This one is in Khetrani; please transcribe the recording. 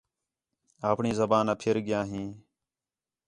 آپݨی زبان آ پِھر ڳِیا ھیں